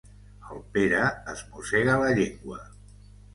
El Pere es mossega la llengua.